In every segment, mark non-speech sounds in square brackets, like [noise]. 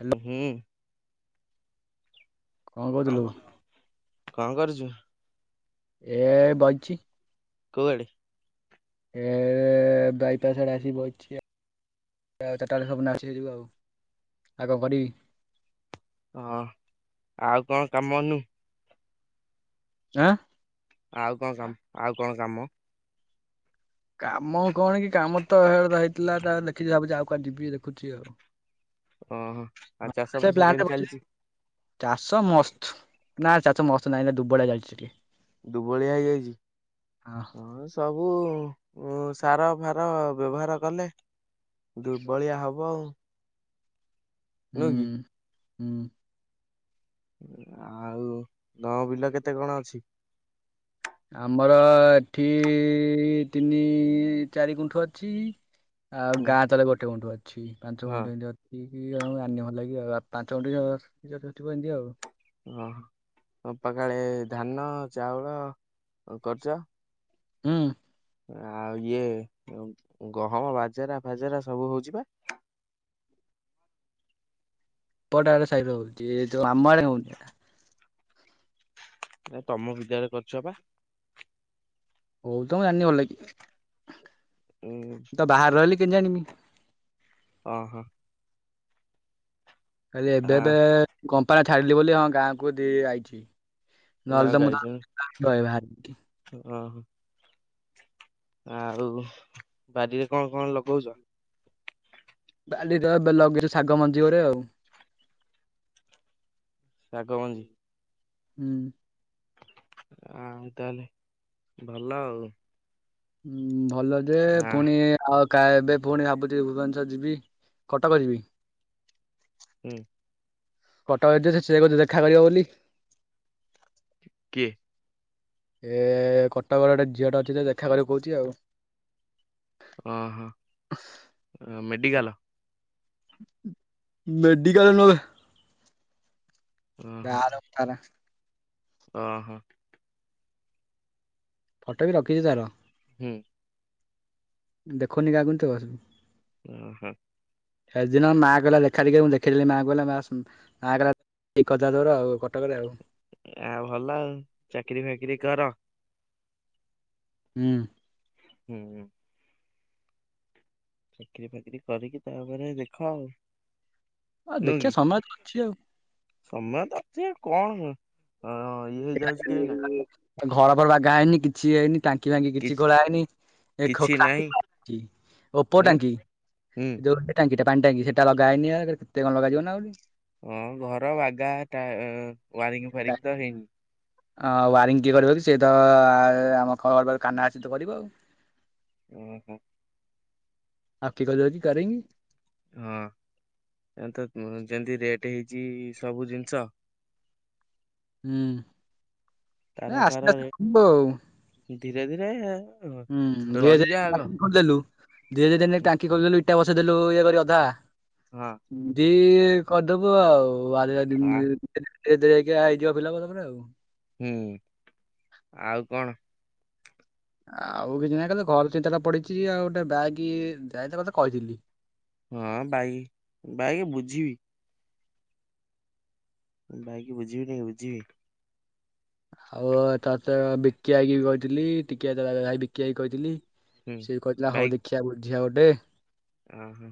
Hello ଉଁହୁଁ। କଣ କହୁଥିଲୁ କବ କଣ କରୁଚ? ଏ ବଇଚି। କୁଆଡେ? ଏ ବାଇପାସ ଆଡେ ଆସିକି ବଇଚି ଆ ଏ ଚାରିଟା ବେଳେ ସବୁ ନାଚି ଯିବୁ ଆଉ, ଆଉ କଣ କରିବି। ହଁ ଆଉ କଣ କାମ ନୁ ଆଁ ଆଉ କଣ କାମ ଆଉ କଣ କାମ? କାମ କଣ କି କାମ ତ ହେ-ହେଇଥିଲା ତାର ଲେଖିଚି ଭାବୁଚି ଆଉ କୁଆଡେ ଯିବି ଦେଖୁଚି ଆଉ। ଓହୋ। ଆଉ ହଁ ଚାଷ ସେ ଫାସ ପ୍ଲାନଟା କେମିତି କରୁଥିବି। ଚାଲିଛି ଚାଷ ମସ୍ତ ନା ଚାଷ ମସ୍ତ ନାହିଁ ଏଇନା ଦୁର୍ବଳଆ ହେଇଯାଉଚି ଟିକେ। ଦୁର୍ବଳିଆ ହେଇଯାଇଚି। ହଁ ସବୁ ସାର ଉଁ ମାର ବ୍ୟବହାର କଲେ। ଦୁର୍ବଳିଆ ହବ ଆଉ। ନୁହଁ କି ହୁଁ ହୁଁ। ଆଉ ତମ ବିଲ କେତେ କଣ ଅଛି? ଆମର ଏଠି ତିନି ଚାରି ଗୁଣ୍ଠ ଅଛି ଆଉ ହୁଁ, ଗାଁ ତଲେ ଗୋଟେ ଗୁଣ୍ଠ ଅଛି ପାଞ୍ଚ ହଁ ଗୁଣ୍ଠ ଏମିତି ଅ କି କି ଆ ଆନି ଭଲ ଲାଗିବ ଆଉ ପାଞ୍ଚ ଗଣ୍ଟଥିବ ଏମିତି ଆଉ। ଓହୋ ତମ ପା କାଳେ ଧାନ ଚାଉଳ କରଚ? ହୁଁ। ଆଉ ଇଏ ଗହମ ବାଜେରା ଫାଜେରା ସବୁ ହଉଛି ବା? ଏପଟ ଆଡେ ସହିତ ହଉଛି ଯଉ ଆମ ଆଡେ ହଉନି। ନା ତୁମ ବିଦ୍ୟାଳୟ କରିଛ ବା। ହଉ ତ ଜାଣିନି ଭଲ କି। ଉଁ। ମୁ ତ ବାହାରେ ରହିଲି କେମିତି ଜାଣିବି। ଅଁ ହ। କାଲି ଏବେ ଆ ଏବେ କମ୍ପାନୀ ଛାଡିଲି ବୋଲି ହଁ ଗାଁକୁ ଦି ଆଇଛି। ନହେଲେ ଗାଁ ତ କୁ ମୁଁ ତ ଆଇଛି ରହେ ବାହାରେ ହଁ ଅ ହଂ। ଆଉ ବାରିରେ କଣ କଣ ଲଗଉଚ? ବାଡି ର ଏବେ ଲଗେଇଛି ଶାଗ ମଞ୍ଜି ଉରେ ଆଉ। ଶାଗ ମଞ୍ଜି। ହୁଁ। ଆଉ ତାହେଲେ ଭଲ ଆଉ। ହୁଁ ଭଲ ଯେ ଆ ପୁଣି ଆଉ କା ଏବେ ପୁଣି ଭାବୁଛି ଭୁବନେଶ୍ଵର ଯିବି କଟକ ଯିବି। ହୁଁ। କଟକ ଏଛି ସେ କହୁଛି ଦେଖା କରିବ ବୋଲି। କିଏ? ଏ କଟକ ର ଗୋଟେ ଝିଅଟେ ଅଛି ଯେ ଦେଖା କରିବ କହୁଛି ଆଉ। ଓହୋ ମେଡିକାଲ। ମେଡିିକାଲ ନୁହ ବେ। ଓହୋ ଗାଁ ର ପାରା। ଓହୋ। ଫଟ ବି ରଖିଛି ତାର। ହୁଁ। ଦେଖୁନି କାହାକୁ କିନ୍ତୁ। ଉଁ ହୁଁ। ସେଦିନ ମାଆ କହିଲା ଦେଖା ଟିକେ ମୁଁ ଦେଖେଇ ଦେଲି ମାଆ କହିଲ ମା ମା କହିଲା ଠିକ୍ କରିଥା ତୋର କଟକରେ ଆଉ। ଆଉ ଭଲ ଆଉ ଚାକିରିୀ ଫାକିରି କର। ହୁଁ। ହୁଁ ହୁଁ। ଚାକିରି ଫାକିରି କରିକି ତାପରେ ଦେଖ ଆଉ। ଆଉ ନୁହଁ ଦେଖିବା କି? ସମୟ ତ ଅଛି ଆଉ। ସମୟ ତ ଅଛି କଣ ଇଏ ହେଇଯାଉଛି କି ଏଇନା। ଘର ଫର ବାଗା ହେଇନି କିଛି ହେଇନି ତାଙ୍କ ଟାଙ୍କ ଟାଙ୍କି ବାଙ୍କି କିଛି ଖୋଳା କିଛି ନାହିଁ ହେଇନି [unintelligible] ଉପର ହୁଁ ଟାଙ୍କି। ହୁଁ ଯୋଉ ଟାଙ୍କିଟା ପାଣି ଟାଙ୍କି ସେଟା ଲଗା ହେଇନି ଆ କେତେ କଣ ଲଗାଯିନା ଆଉରି। ହଁ ଘର ବାଗାଟା ୱାରିଙ୍ଗ ଫାରିଙ୍ଗ ତ ହେଇନି। ହଁ ୱାରିଙ୍ଗ କିଏ କରିବକି ସେଏ ତ ଆମେ ଖବର ପାଇଲୁ କାହ୍ନା ଆଛିତ କରିବ ଆଉ। ଉଁ ହୁଁ। [unintelligible] କାରିଙ୍ଗି। ହଁ ଏ ତ ଯେମିତି ରେଟ୍ ହେଇଚି ସବୁ ଜିନିଷ ହୁଁ। ତାର ଆସିଲେ ଫାରରେ ଆସିବ ଆଉ। ଧୀରେ ଧୀରେ ହୁଁ ଧୀରେ ଧୀରେ ରହିଯା ଆଗ ଟାଙ୍କି ଖୋଲିଦଲୁ ଦୁଇ ଦିନ ରେ ଟାଙ୍କି ଖୋଲିଦଲୁ ଇଟା ବସେଇଦେଲୁ ଇଏ କରି ଅଧା। ହଁ। ଦି କରିଦେବୁ ଆଉାର ଆ ଦିଦିନି ଭିତରେ। ଏଇ ଦେଖ ହୈ ହେଇ ଝିଅ ପିଲା କୁ ରଖିଦେବୁ। ହୁଁ ଆଉ କଣ। ଆଉ କିଛି ନାହିଁ ଖାଲି ଘର ଚିନ୍ତାଟା ପଡ଼ିଚି, ଆଉ ଗୋଟ ବାଇକି ଯାଇଥା ତତେ କହିଥିଲି। ହଁ ବାଇକ୍ ବାଇକ୍ ବୁଝିବି। ବାଇକି ବୁଝିବି ନାଇ ବୁଝିବି। ଆଉ ତତ ବିକି ଆଇ କିବି କହିଥିଲି ଟିକିଆ ଦାଦା ଭାଇ ବିକି ଭାଇ କହିଥିଲି। ହୁଁ ସେ କଇଥିଲା ହଉ ବାଇକ୍ ଦେଖିବା ବୁଝିଆ ଗୋଟେ। ଓହୋ।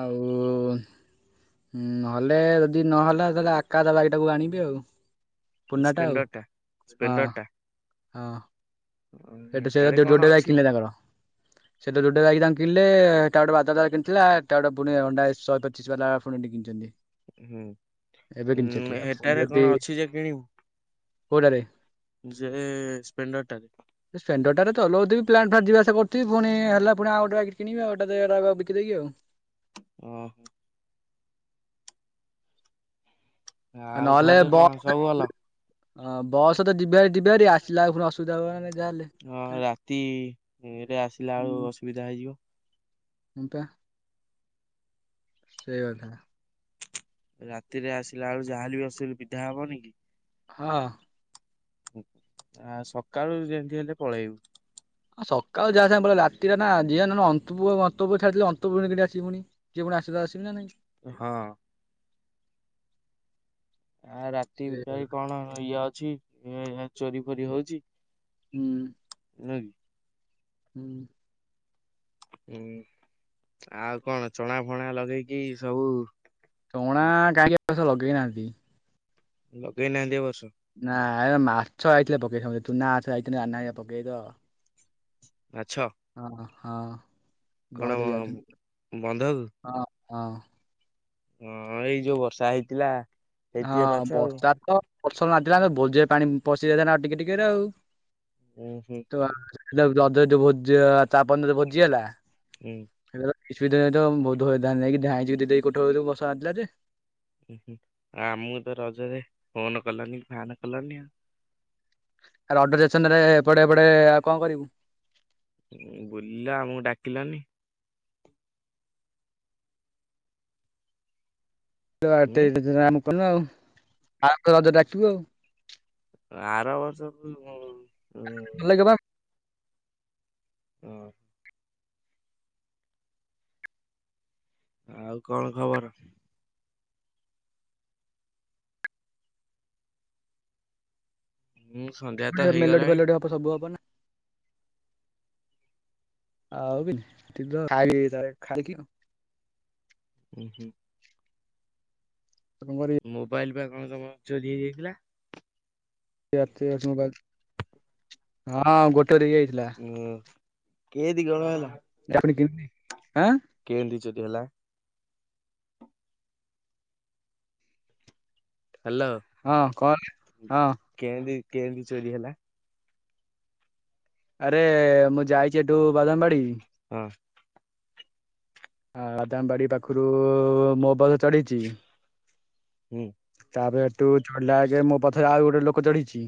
ଆଉ ହୁଁ ନହେଲେ ଯଦି ନହେଲା ତାହେଲେ ଆକା ଦା ବାଇକିଟାକୁ ଆଣିବି ଆଉ। ଏ ପୁରୁନାଟା ଆଉ ସ୍ପେଣ୍ଡର ଟା? ହଁ ସ୍ପ୍ଲେଣ୍ଡର ଟା ହଁ ଉଁ, ସେଠୁ ହେଟାରେ ସେଇଟା କଣ ଯୋଡ଼େ ବାଇକ୍ ଅଛି କିିଲେ ତାଙ୍କର। ସେଟୁ ଯୋଡ଼େ ବାଇକି ତାଙ୍କ କି ଲେ ହେଟା ଗୋଟେ ବାଦ ଆଇ କିଣିଥିଲା ତା ଗଟେ ପୁଣି ଅଣ୍ଡା ଶହେ ପଚିଶି ବାଲା ପୁଣିଟ କିଣିଚନ୍ତି। ହୁଁଁ ଉଁ ପୁଣି ହେଟାରେ ଯଦି କଣ ଅଛିଯେ କିଣିବୁ? କୋଉଟାରେ? ଯେ ସ୍ପେଣ୍ଡରଟାରେ। ସେ ସ୍ପେଣ୍ଡରଟାରେ ଚଲଉଥିବି ପ୍ଲାଡ୍ ଫାଡ୍ ଯିବାସିଆ କରିଥିବି ପୁଣି ହେଲା ପୁଣିଉ ଗୋଟେକି କିଣିବ ଆଉଟା ବିକିଦକି ଆଉ। ଓହୋ। ଆଉ ନହେଲେ ଘରେ କଣ ବସ୍ ସବୁ ଭଲ? ହଁ ବସତ ଯିବିହାରି ଯିବିହାରି ଆସିଲାଆ ପୁଣି ଅସୁବିଧା ହବନା ଯାହାେଲେ। ହଁ ରାତିରେ ଆସିଲା ବେଳୁ ଅସୁବିଧା ହେଇଯିବ। ହୁଁ ପା। ସେଇ କଥାଟା। ରାତିରେ ଆସିଲା ବେଳକୁ ଯାହାଲେବି ଅସୁ ବିଧା ହବନିକି? ହଁ। ଆ ସକାଳୁ ଯେମିତି ହେଲେ ପଳେଇବୁ। ହଁ ସକାଳ ଯାହା ସାଙ୍ଗେ ପଳେ ରାତିରେ ନା ଯିଏ ନ ଅନ୍ତୁଅ ଅନ୍ତୁ ଛାଡିଦେଲେ ଅନ୍ତୁ କେମିତି ଆସିବି ପୁଣି? କିଏ ପୁଣି ଆସିଲେ ଆସିବି ନା ନାଇଁ। ହଁ। ଆ ରାତି ସେଇ କଥା। ବିକାଳି କଣ ଇଏ ଅଛି ଚୋରି ଫୋରି ହଉଚି। ହୁଁ। ନୁହଁ କି? ହୁଁ। ହୁଁ ଆଉ କଣ ଚଣା ଫଣା ଲଗେଇକି ସବୁ ଚଣା କାହିଁକି ଏ ବର୍ଷ ଲଗେଇନାହାନ୍ତି। ଲଗେଇ ନାହାନ୍ତି ଏ ବର୍ଷ? ନା ମାଛ ଆଇଥିଲେ ପକେଇ ଥାନ୍ତୁ ଚୂନା ମାଛ ଯାଇଥିଲେ ଆନା ହେଇକା ପକେଇ ତ। ମାଛ ହଁ ହଁ। କଣ ବହତ ହେଇ ଯାଉଛନ୍ତି ବନ୍ଧକୁ? ହଁ ହଁ। ହଁ ଏଇ ଯୋଉ ବର୍ଷା ହେଇଥିଲା। ହଁ ହେଇଥିବେ ମାଛ ଆଉ। ବର୍ଷା ତ ବର୍ଷା ନାଧିଲା ଆମ ଭୋଜିରେ ପାଣି ପଶି ଯାଇଥାନ୍ତା ଆଉ ଟିକେ ଟିକେରେ ଆଉ। ଉଁ ହୁଁ। [unintelligible] ରଜ ଯୋଉ ଭୋଜି ଚାର ପନ୍ଦର ଯୋଉ ଭୋଜି ହେଲା। ହୁଁ କିଛିିନରେ ତ ବହୁ ଧ ଧାନକିନା କୋଠେ ବସା ଆଣିିଲଥିଲା ଯେ। ଉ ହୁଁ ଆମକୁ ତ ରଜରେ ଫୋନ କଲନି କି ଫାନ କଲଣି ଆଉ। ଆ ଅଡର ରେସନ ରେ ଏପଟେ ଏପଟେ ଆଉ କଣ କରିବୁ। ବୁଲିଲା ଆମକୁ ଡାକିଲାନି? ହୁଁ ଆମ କନୁ ଆଉ ଆ ରଜ ଡାକିବୁ ଆଉ। ଆର ବର୍ଷ କୁ [unintelligible] ଭଲ ଲାଗେ ବା। ହଁ। ଆଉ କଣ ଖବର? ହଁ ସନ୍ଧ୍ୟା ତ ଏପଟେ ମେଲୋଡି ହେଇଗଲାଣି ଫେଲୋଡି ହବ ସବୁ ହବନା। ଆଉ [unintelligible] ଖାଇ ଖାଇକି ହୁଁ ହୁଁ। [unintelligible] ମୋବାଇଲପା କଣ ତମର ଚୋରି ହେଇଯାଇଥିଲା? [unintelligible] ହଁ ଗୋଟେ [unintelligible] ଯାଇଥିଲା। ହୁଁ କେଏ ଦି କଣ ହେଲା? [unintelligible] ଆଁ କେନତି ଚୋରି ହେଲା? ହ୍ୟାଲୋ ହଁ କଣ ହଁ କେନ୍ତି କେନ୍ତି ଚୋରି ହେଲା? ଆରେ ମୁଁ ଯାଇଛି ଏଠୁ ବାଦାମବାଡି ହଁ। ହଁ ବାଦାମ ବାଡି ପାଖରୁ ମୋ ବସ ଚଢ଼ିଛି। ହୁଁ ତାପରେ ହେଠୁ ଚଢିଲା ଆଗେ ମୋ ପଛରେ ଆଉ ଗୋଟେ ଲୋକ ଚଢିଛି।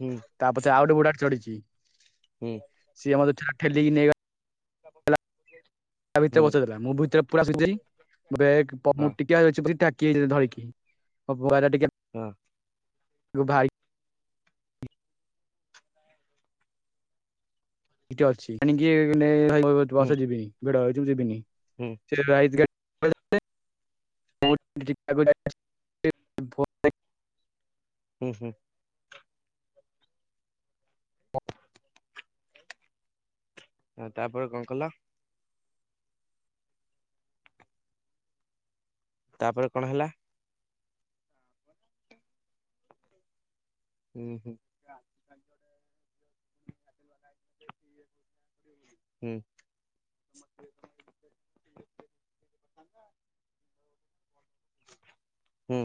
ହୁଁ। ତାପଛେ ଆଉ ଗୋଟେ ବୁଢ଼ାଟେ ଚଢିଛି। ହୁଁ। ସିଏ ମତେ ଠେ-ଠେଲିକି ନେଇ ଗ [unintelligible] ତା ଭିତରେ ହୁଁ ବସି ଦେଲା ମୁଁ ଭିତରେ ପୁରା [unintelligible] [unintelligible] ହଁ ମୁଁ ଟିକିଆଛି କି ଧରିକି ଟିକେ [unintelligible] ହଁ। ଗୁ ଭାଇ [unintelligible] ଅଛି ମ [unintelligible] ହୁଁ କିସ ଯିବିନି ଭିଡ ହେଇଛି ମୁଁ ଯିବିନି। ହୁଁ। ସେ [unintelligible] ହୁଁ ହୁଁ। ହ ତାପରେ କଣ କଲ? ତାପରେ କଣ ହେଲା? ହୁଁ ହୁଁ। ହୁଁ। ହୁଁ।